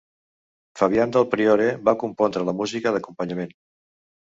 Fabian Del Priore va compondre la música d'acompanyament.